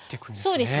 そうですね。